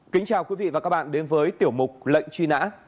kính chào quý vị và các bạn đến với tiểu mục lệnh truy nã